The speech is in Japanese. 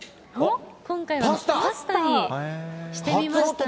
パスタにしてみました。